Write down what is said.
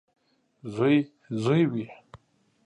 • زوی زوی وي.